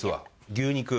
牛肉。